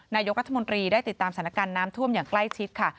นายกรัฐมนตรีได้ติดตามสถานการณ์น้ำท่วมอย่างใกล้ชิดค่ะ